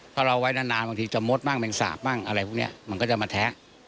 เพราะเราไว้นานบางทีจะมดบ้างแมงสาบบ้างอะไรพวกนี้มันก็จะมาแทะ